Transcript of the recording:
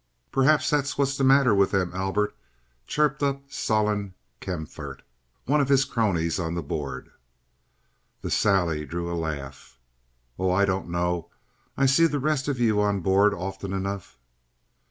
"Perhaps that's what's the matter with them, Albert," chirped up Solon Kaempfaert, one of his cronies on the board. The sally drew a laugh. "Oh, I don't know. I see the rest of you on board often enough."